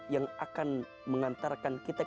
yang akan mengantarkan kita